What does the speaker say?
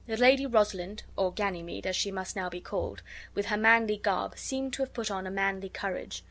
The lady Rosalind (or Ganymede, as she must now be called) with her manly garb seemed to have put on a manly courage.